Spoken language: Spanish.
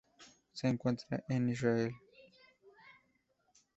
Se encuentra en Israel.